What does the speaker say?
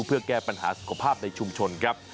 เพื่อแก้ปัญหาสุขภาพในชุมชนครับ